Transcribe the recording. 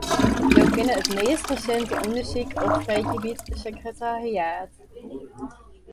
Jo kinne it meast resinte ûndersyk opfreegje by it sekretariaat.